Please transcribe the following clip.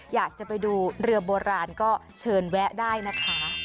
อยากจะไปดูเรือโบราณก็เชิญแวะได้นะคะ